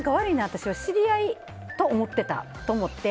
私は知り合いって思っていたって。